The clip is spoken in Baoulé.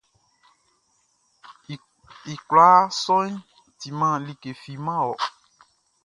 I kwlaa sɔʼn timan like fi man wɔ.